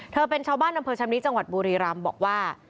เธอเป็นชาวบ้านดำเภอชำนิดจังหวัดบุรีรัมพ์บอกว่า